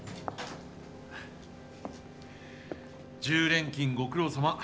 １０連勤ご苦労さま。